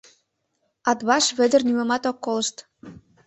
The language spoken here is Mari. Атбаш Вӧдыр нигӧмат ок колышт.